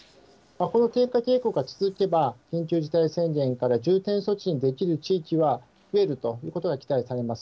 この低下傾向が続けば、緊急事態宣言から重点措置にできる地域は増えるということが期待されます。